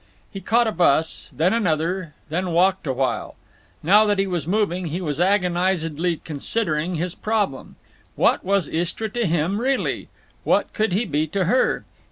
He caught a bus, then another, then walked a while. Now that he was moving, he was agonizedly considering his problem: What was Istra to him, really? What could he be to her?